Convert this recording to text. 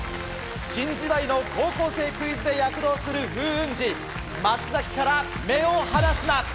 新時代の『高校生クイズ』で躍動する風雲児松から目を離すな！